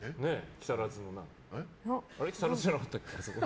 木更津じゃなかったっけ？